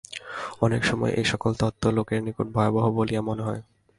অনেক সময় এই-সকল তত্ত্ব লোকের নিকট ভয়ানক বলিয়া মনে হয়।